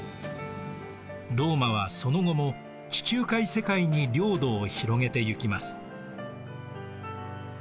ローマはその後も地中海世界に領土を広げていきます。